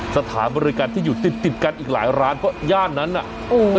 สถานบริการที่อยู่ติดติดกันอีกหลายร้านเพราะย่านนั้นน่ะโอ้ย